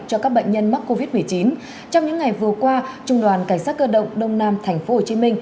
cho các bệnh nhân mắc covid một mươi chín trong những ngày vừa qua trung đoàn cảnh sát cơ động đông nam tp hcm